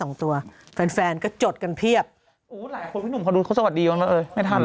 อู้วหลายคนพี่หนุ่มเขาดูสวัสดีก่อนแล้วไม่ทันแล้ว